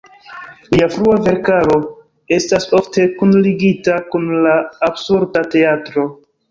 Lia frua verkaro estas ofte kunligita kun la "Absurda Teatro".